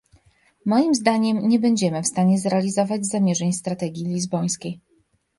Moim zdaniem nie będziemy w stanie zrealizować zamierzeń strategii lizbońskiej